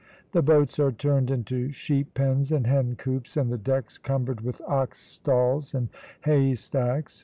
The boats are turned into sheep pens and hen coops, and the decks cumbered with ox stalls and hay stacks.